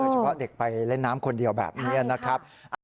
เฉพาะเด็กไปเล่นน้ำคนเดียวแบบนี้นะครับ